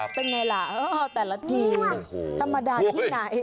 เป็นไงล่ะแต่ละทีมธรรมดาที่ไหน